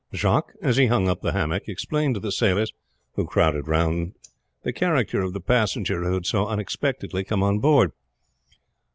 Jacques, as he hung up the hammock, explained to the sailors who crowded round the character of the passenger who had so unexpectedly come on board.